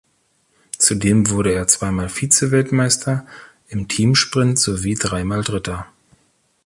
Zudem wurde er zweimal Vize-Weltmeister im Teamsprint sowie dreimal Dritter.